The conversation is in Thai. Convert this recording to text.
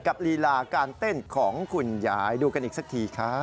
ลีลาการเต้นของคุณยายดูกันอีกสักทีครับ